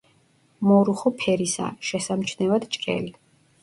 მორუხო ფერისაა, შესამჩნევად ჭრელი.